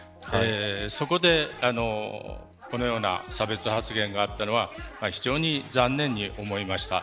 そこでこのような差別発言があったのは非常に残念に思いました。